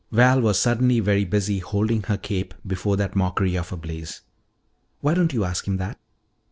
Val was suddenly very busy holding her cape before that mockery of a blaze. "Why don't you ask him that?"